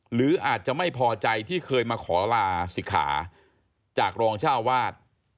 หรืออาจจะไม่พอใจที่เคยมาขอลาศิกขาจากรองเจ้าวาด